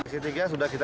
siti tiga sudah kita